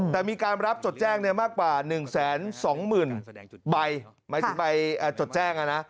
แต่มีการรับจดแจ้งมากกว่า๑๒๐๐๐ใบหมายถึงใบจดแจ้ง